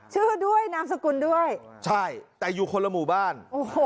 ชื่อด้วยนามสกุลด้วย